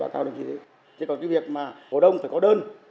thế còn cái việc mà hồ đông phải có đơn